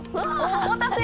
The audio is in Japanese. お待たせ！